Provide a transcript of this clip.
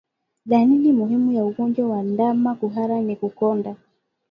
Dalili muhimu ya ugonjwa wa ndama kuhara ni kukonda